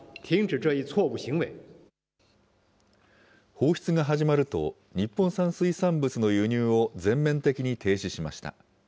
放出が始まると、日本産水産物の輸入を全面的に停止しました。